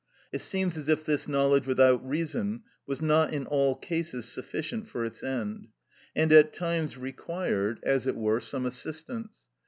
It seems as if this knowledge without reason was not in all cases sufficient for its end, and at times required, as it were, some assistance.